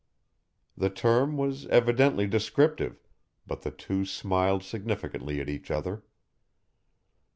The term was evidently descriptive, but the two smiled significantly at each other.